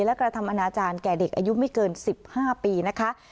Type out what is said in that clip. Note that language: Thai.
และกรธรรมอนาจารย์แก่เด็กอายุไม่เกินสิบห้าปีนะคะ